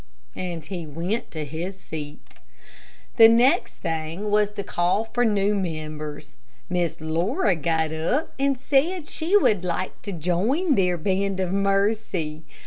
And he went to his seat. The next thing was to call for new members. Miss Laura got up and said she would like to join their Band of Mercy.